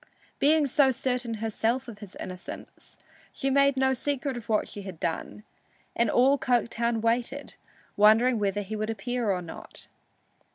Being so certain herself of his innocence, she made no secret of what she had done, and all Coketown waited, wondering whether he would appear or not.